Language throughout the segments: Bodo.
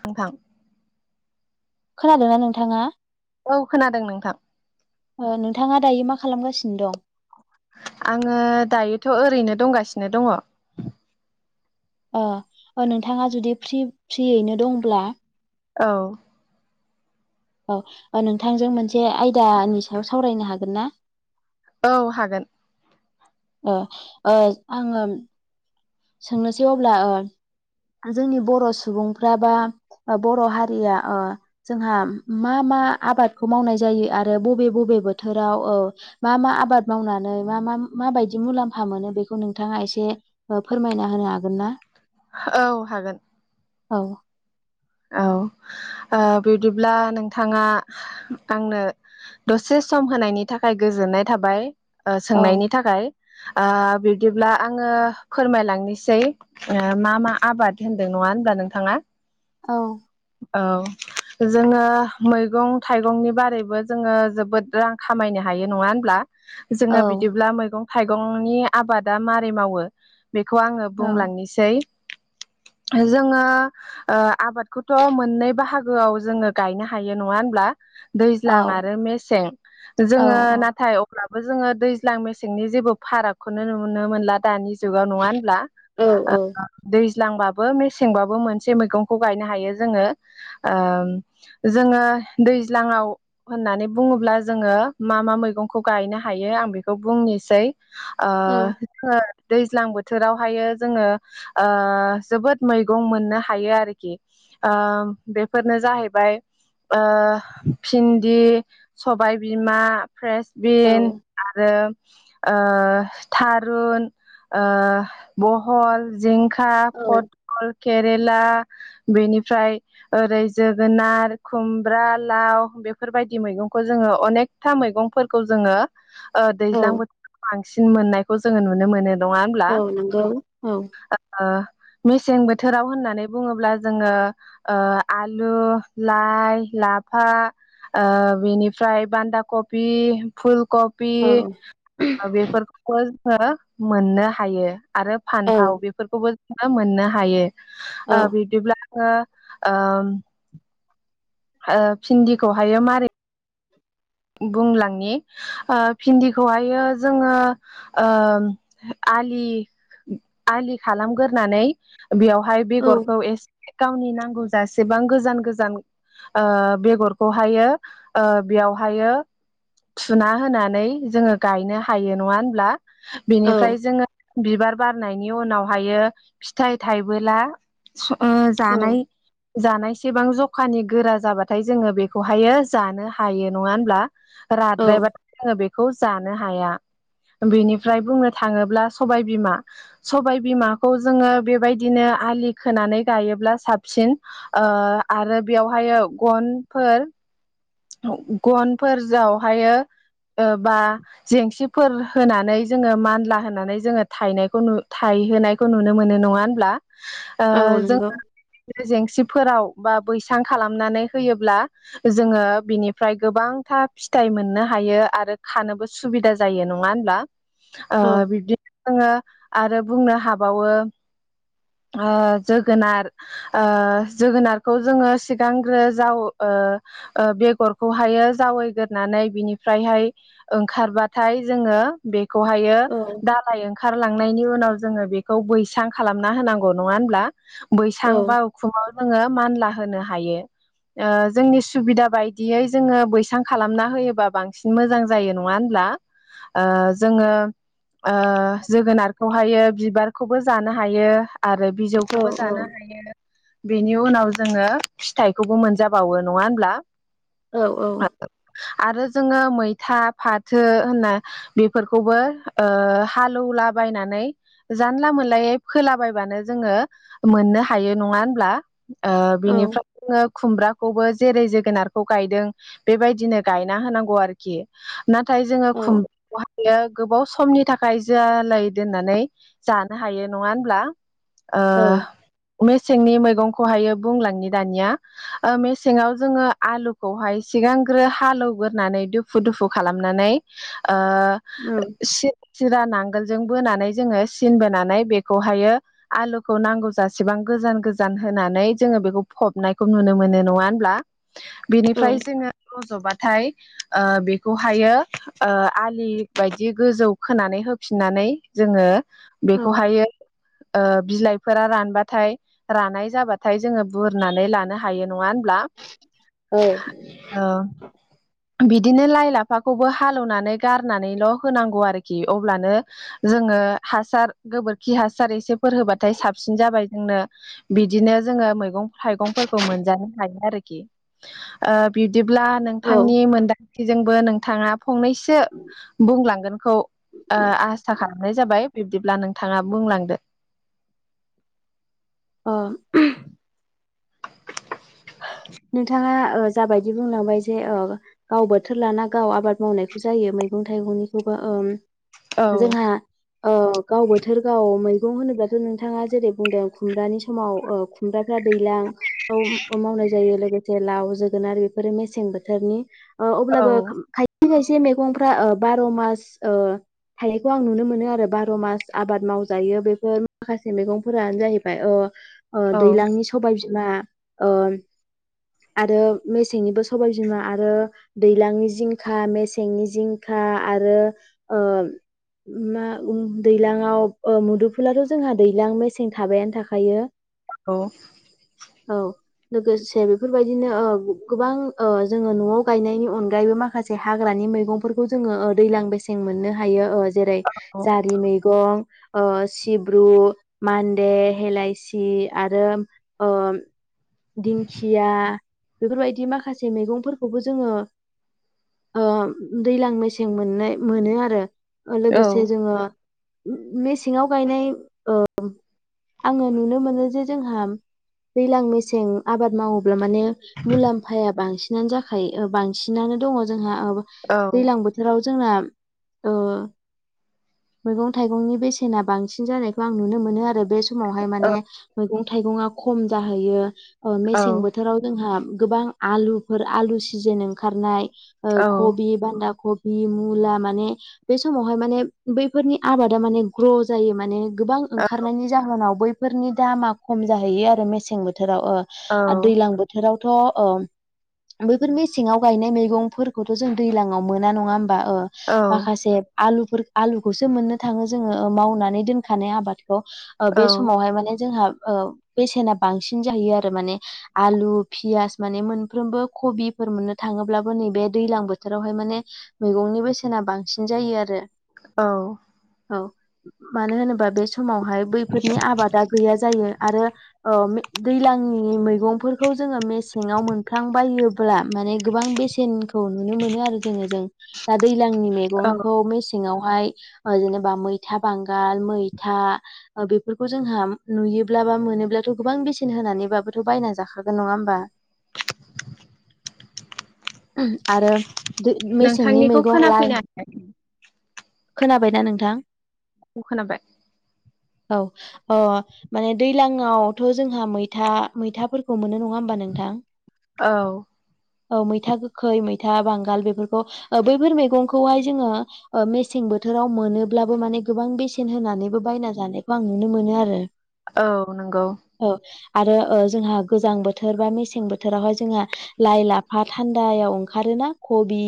नोंथां खोनादोंना नोंथाङा? औ खोनादों नोंथां। ओ नोंथाङा दायो मा खालामगासिनो दं आङो दायोथ' ओरैनो दंगासिनो दङ। अ अ नोंथाङा जुदि फ्रि फ्रियैनो दंब्ला? औ औ नोंथांजों मोनसे आयदानि सायाव सावरायनो हागोन ना? औ हागोन। ओ ओ आङो सोंनोसै अब्ला ओ जोंनि बर' सुबुंफ्रा बा बर' हारिया जोंहा मा मा आबादखौ मावनाय जायो आरो बबे बबे बोथोराव औ मा मा आबाद मावनानै मा मा माबायदि मुलाम्फा मोनो बेखौ नोंथाङा एसे फोरमायना होनो हागोन ना औ हागोन औ औ बिदिब्ला नोंथाङा आंनो दसे सम होनायनि थाखाय गोजोननाय थाबाय ओ औ सोंनायनि थाखाय ओ बिब्दिब्ला आङो फोरमायलांनोसै मा मा आबाद होनदों नङा होनब्ला नोंथाङा? औ औ [unintelligible] जोङो मैगं थाइगंनि बारैबो जोङो जोबोद रां खामायनो हायो नङा होनब्ला? जोङो औ बिदिब्ला मैगं थाइगंनि आबादा मारै मावो? बेखौ आङो औ बुंलांनोसै जोङो ओ आबाद बेखौथ' मोननै बाहागोआव जोङो गायनो हायो नङा होनब्ला? औ दैज्लां आरो मेसें औ जोङो औ नाथाय अब्लाबो जोङो दैज्लां मेसेंनि जेबो फारागखौनो नुनो मोनला दानि जुगाव नङा होनब्ला औ ओ दैज्लांबाबो मेसेंबाबो मोनसे मैगंखौ गायनो हायो जोङो ओ जोङो दैज्लाङाव होननानै बुङोब्ला जोङो मा मा मैगंखौ गायनो हायो आं बेखौ बुंनोसै औ दैज्लां बोथोरावहायो जोङो ओ जोबोद मैगं मोननो हायो आरोखि आ बेफोरनो जाहैबाय ओ भिन्दि सबायबिमा फ्रेसबिन औ आरो ओ थारुन ओ बहल जिं खा फटल केरला बेनिफ्राय ओरै जोगोनार खुमब्रा लाव बेफोरबायदि मैगंखौ जोङो अनेकथा मैगंफोरखौ जोङो ओ दैज्लां औ बोथोरखौ बांसिन मोननायखौ जोङो नुनो मोनो। नङा होनब्ला औ नंगौ औ ओ मेसें बोथोराव होननानै बुङोब्ला जोङो ओ आलु लाइ लाफा ओ बेनिफ्राय बान्दा कबि फुल कपि औ बेेफोरखौबो मोननो हायो आरो औ फान्थाव बेफोरखौबो मोननो हायो औ [unintelligible] भिन्दिखौहायो मारै बुंलांनि ओ भिन्दिखौहायो जोङो ओ आलि आलि खालामग्रोनानै बेवहाय औ नंगौ औ बेगरखौ एसे गावनि नांगौ जासेबां गोजान गोजान आ बेगरखौहायो बेयाव हायो सुना होनानै जोङो गायनो हायो नङा होनब्ला औ बिनिफ्राय जोङो बिबार बारनायनि उनावहायो फिथाइ थायबोला ओ जानाय जानायसेबां जखानि गोरा जाबाथाय जोङो बेखौहायो जानो हायो नङा होनब्ला? राद्रायबाथाय जोङो बेखौ जानो हाया बेनिफ्राय बुंनो थाङोब्ला सबाय बिमा सबाय बिमाखौ जोङो बेबायदिनो आलि खोनानै गायोब्ला साबसिन ओ आरो बेयावहायो गनफोर गनफोर जावहायो ओ बा जेंसिफोर होनानै जोङो मानला होनानै जोङो थायनायखौ नु थाय- होनायखौ नुनो मोनो नङा होनब्ला ओ जोंहा गिदिर गिदिर जेंसि फोराव बा बैसां खालामनानै होयोब्ला जोङो बिनिफ्राय गोबांथा फिथाइ मोननो हायो आरो खानोबो सुबिदा जायो नङा होनब्ला ओ बिब्दिनो जोङो आरो बुंनो हाबावो ओ जोगोनार ओ जोगोनारखौ जोङो सिगांग्रो जाव ओ ओ ओ बे- गरखौहायो जावैग्रोनानै बिनिफ्रायहाय ओंखारबाथाय जोङो बे खौहायो दालाय ओंखारलां- नायनि उनाव जोङो बेखौ बैसां खालामना होनांगौ नङा होमब्ला बैसां बा उखुमाव जोङो मानला होनो हायो ओ जोंनि सुबिदा बाय- दियै जोङो बैसां खालामना होयोबा बांसिन मोजां जायो नङा होनब्ला ओ जोङो ओ जोगोनारखौहायो बिबारखौबो जानो हायो आरो बिजौखौबो जानो हायो बेनि उनाव जोङो फिथाइखौबो मोनजाबावो नङा होनब्ला औ औ आरो जोङो मैथा फाथो होनना बेफोरखौबो ओ हालौला बायनानै जानला मोनलायै फोलाबायबानो जोङो मोननो हायो नङा होनब्ला ओ बिनिफ्राय जोङो खुमब्राखौबो जेरै जोगोनार खौ गायदों बेबायदिनो गायना होनांगौ आरोखि नाथाय जोङो खुमब्राखौहायो गोबाव समनि थाखाय जालाय दोननानै जानो हायो नङा होनब्ला ओ मे- मेसेंनि मैगंखौहायो बुंलांनि दानिया ओ मेसेङाव जोङो आलुखौहाय सिगांग्रो हालौवग्रोनानै दुफु दुफु खालामनानै ओ ओ सिन सिदा नां- गोलजों बोनानै जोङो सिनबोनानै बेखौहायो आलुखौ नांगौ जासेबां गोजान गोजान होनानै जोङो बेखौ फबनायखौ नुनो मोनो नङा होनब्ला बेनिफ्राय औ जोङो रज'बाथाय ओ बेखौहायो ओ आलि बायदि गोजौ खोनानै होफिननानै जोङो औ बेखौहायो ओ बिलाइफोरा रानबाथाय रानाय जाबाथाय जोङो बुरनानै लानो हायो नङा होनब्ला औ ओ बिदिनो लाइ लाफाखौबो हालौनानै गारनानैल' होनांगौ आरोखि अब्लानो जों- ङो हासार गोबोर- खि हासार एसेफोर होबाथाय साबसिन जाबाय जोंनो बिदिनो जोङो मैगं थाइगंफोरखौ मोनजानो हायो आरोखि ओ बि- दिब्ला नोंथांनि मोनदांथिजोंबो नोंथाङा फंनैसो बुंलांगोनखौ ओ आसा खालामनाय जाबाय बिब्दिब्ला नोंथाङा बुंलांदो अ नोंथाङा ओ जाबायदि बुंलांबाय जे ओ गाव बोथोर लाना गाव आबाद मावनायखौ जायो मैगं थाइगंनिखौबो ओ औ जोंहा ओ गाव बोथोर गाव मैगं होनोब्लाथ' नोंथाङा जेरै बुंदों खुमब्रानि समाव ओ खुमब्राफ्रा दैलां आव मावनाय जायो लोगोसे लाव जोगोनार बेफोरो मेसें बोथोरनि ओ औ अब्लाबो खायसे खायसे मैगंफ्रा ओ बार' मास ओ हायखौ आं नुनो मोनो आरो बार' मास आबाद मावजायो बेफोर माखासे मैगंफोरानो जाहैबाय ओ औ दैलांनि सबाय बिमा ओ आरो मेसेंनिबो सबाय बिमा आरो दैलांनि जिंखा मेसेंनि जिंखा आरो ओ मा दैलाङाव ओ मुदुफुलाथ' जोंहा दैलां मेसें थाबायानो थाखायो औ औ लोगोसे दे बेफोरबायदिनो ओ गोबां ओ जोङो न'वाव गायनायनि अनगायैबो माखासे हाग्रानि मैगं जोङो ओ दैलां मेसें मोननो हायो जेरै औ जारि मैगं ओ सिब्रु मान्दे हेलायसि आरो दिंखिया बेफोरबायदि माखासे मैगंफोरखौबो जोङो ओ दैलां मेसें मोननाय मोनो आरो लोगोसे जोङो मेसेङाव गायनाय ओ आङो नुनो मोनो जे जोंहा दैलां मेसें आबाद मावोब्ला माने मुलाम्फाया बांसिनानो जाखायो बांसिनानो दङ जोंहा ओ दैलां बोथोराव जोंना ओ मैगं थाइगंनि बेसेना बांसिन जानायखौ आं नुनो मोनो आरो बे समावहाय माने मैगं थाइगङा खम जाहैयो मेसें बोथोराव जोंहा गोबां आलुफोर आलु सिजोन ओंखारनाय ओ औ-औ-औ-औ-औ-औ-औ-औ कबि बान्दा कबि मुला माने बे समावहाय माने बैफोरनि आबादा माने ग्र' जायो माने गोबां ओंखारनायनि जाहोनाव बैफोरनि दामा खम जाहैयो आरो मेसें बोथोराव आरो दैलां बोथोराव थ' अ मेसेङाव गायनाय मैगंफोरखौथ' जों दैलाङाव मोना नङा होमबा माखासे आलु आलुखौसो मोननो थाङो जोङो मावनानै दोनखानाय आबाद बे समावहाय माने ओ जोंहा बेसेना बांसिन जाहायो आरो माने आलु फियास माने मोन कबि मोननो थाङोब्लाबो नैबे दैलां बोथोराव बोथोरावहाय माने मैगंनि बेसेना बांसिन जायो आरो औ औ मानो होनोबा बे समावहाय बैफोरनि आबादा गैया जायो आरो ओ दैलां मैगंफोरखौ जोङो मेसेङाव मोनफ्लांबायोब्ला माने गोबां बेसेनखौ नुनो मोनो आरो जोङो जों दा दै दैलांनि मैगंखौ मेसेङावहाय जेनेबा मैथा बांगाल मैथा बेफोरखौ जोंहा नुयोब्ला बा मोनोब्लाथ' गोबां बेसेन होनानै बाबोथ' बायना जाखागोन नङा होमबा आरो मेसेंनि नोंथांनिखौ मैगं लाइ खोनाफैना खोनाबायना नोंथां खोनाबाय औ ओ माने दैलाङावथ' जोंहा मैथा मैथाफोरखौ मोननो नङा नङा होमबा नोंथां औ-औ मैथा गोखै मैथा बांगाल बेफोरखौ बैफोर मैगंखौहाय जोङो मेसें बोथोर बोथोराव मोनोब्लाबो माने गोबां बेसेन होनानैबो बायना जानायखौ आं नुनो मोनो आरो औ नंगौ औ आरो ओ जोंहा गोजां बोथोर बा मेसें बोथोरावहाय जोंहा लाइ लाफा थान्दायाव ओंखारोना खबि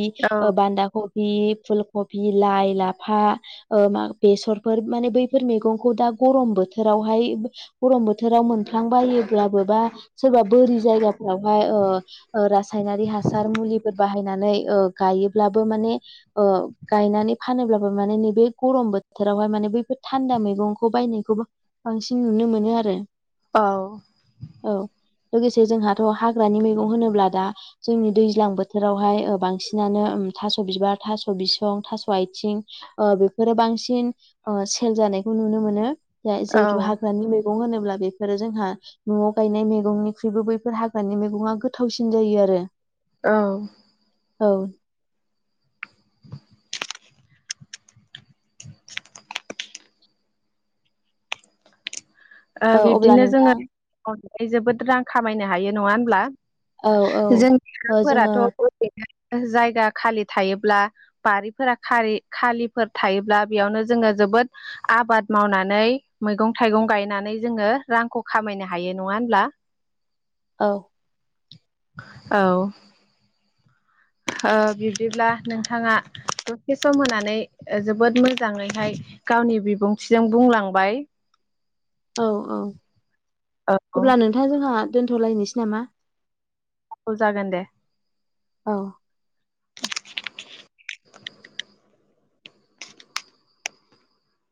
बान्दा खबि बे फुल कबि लाइ लाफा ओ मा बेसरफोर माने बैफोर मैगंखौ दा गम बोथोरावहाय गरम बोथोराव मोनफ्लांबायो ब्ला सोरबा बोरि जायगायाव यावहाय रासायनारि हासार मुलिफोर बाहायनानै गायोब्लाबो माने ओ गायनानै फानोब्लाबो माने नैबे गरम बोथोरावहाय माने बैफोर थान्दा मैगंखौ बायनायखौबो बांसिन नुनो मोनो आरो औ औ लोगोसे जोंहाथ' हाग्रानि मैगं होनोब्ला दा जोंनि दैज्लां बोथोरावहाय बांसिनानो थास' बिबार थास' बिसं थास' आथिं बेफोरो बांसिन सेल जानाय खौ नुनो मोनो जा जिहेतु हाग्रानि मैगं होनोब्ला बेफोरो जोंहा न'आव गायनाय मैगंनिख्रुइबो बैफोर हाग्रानि मैगङा गोथावसिन जायो आरो औ औ [inaudible] औ अब्ला बिब्दिनो जोङो नोंथां मावनानै जोबोद रां खामायनो हायो नङा होनब्ला औ औ ओ जोङो जोंनिफोराथ' असेथ [unintelligible] जायगा खालि थायोब्ला बारिफोरा खालिफोर थायोब्ला बेयावनो जोङो जोबोद आबाद मावनानै मैगं थाइगं गायना नै जोङो रांखौ खामायनो हायो नङा होनब्ला औ औ ओ बिब्दिब्ला नोंथाङा दसे सम होनानै जोबोद मोजाङैहाय गावनि बिबुंथिजों बुंलांबाय [inaudible] औ औ अब्ला औ नोंथाङा जोंहा दोनथ'लायनोसै नामा? औ जागोन दे औ